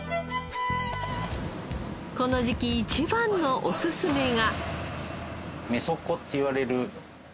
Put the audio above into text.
この時期一番のおすすめが。